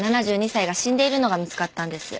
７２歳が死んでいるのが見つかったんです。